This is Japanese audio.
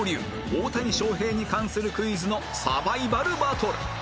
大谷翔平に関するクイズのサバイバルバトル